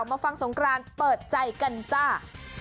มาฟังสงกรานเปิดใจกันจ้า